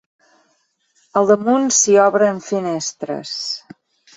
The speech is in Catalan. Al damunt, s'hi obren finestres.